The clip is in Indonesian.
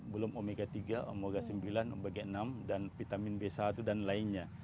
belum omega tiga omega sembilan omega enam dan vitamin b satu dan lainnya